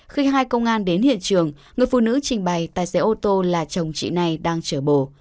khi hai công an đến hiện trường người phụ nữ trình bày tài xế ô tô là chồng chị này đang chở bồ